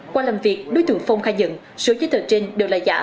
qua làm việc đối tượng phong khai nhận số giấy tờ trên đều là giả